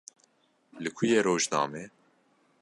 Li ku ye rojname?